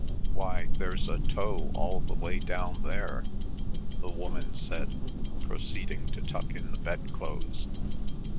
"Why, there's a toe all the way down there!" the woman said, proceeding to tuck in the bedclothes.